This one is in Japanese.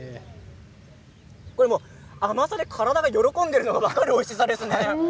甘さで体が喜んでいるのが分かるおいしさですね。